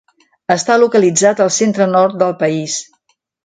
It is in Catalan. Està localitzat al centre-nord del país.